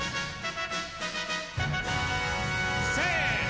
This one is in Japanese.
せの！